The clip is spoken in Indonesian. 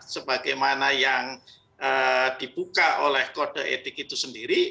sebagaimana yang dibuka oleh kode etik itu sendiri